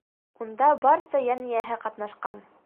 Унда барса йән эйәһе ҡатнашҡан.